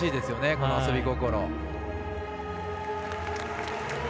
この遊び心。